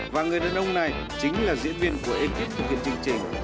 và người đàn ông này chính là diễn viên của ekip thực hiện chương trình